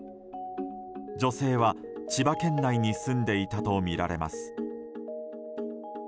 女性は千葉県内に住んでいたとみられます。